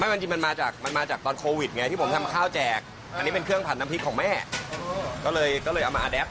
อันนี้มันมาจากตอนโควิดไงที่ผมทำข้าวจากอันนี้เป็นเครื่องผัดน้ำพริกของแม่ก็เลยเอามาอดับ